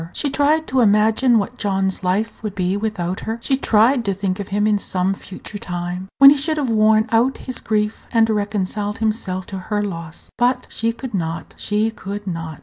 She tried to imagine what John's life would be without her. She tried to think of him in some future time, when he should have worn out his grief, and reconciled himself to her loss. But she could not, she could not!